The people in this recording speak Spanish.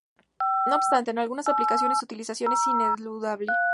No obstante en algunas aplicaciones su utilización es ineludible.